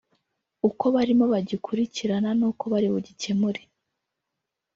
uko barimo bagikurikirana n’uko bari bugikemure